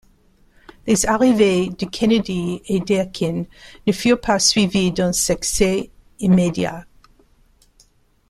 Les arrivées de Kennedy et Deakin ne furent pas suivis d’un succès immédiat.